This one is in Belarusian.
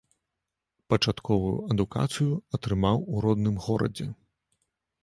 Пачатковую адукацыю атрымаў у родным горадзе.